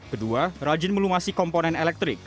kedua rajin melumasi komponen elektrik